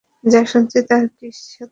যা শুনেছি তা কি সত্য?